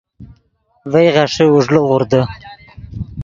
ڤئے غیݰے اوݱڑے غوردے